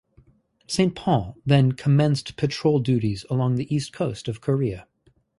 "Saint Paul" then commenced patrol duties along the east coast of Korea.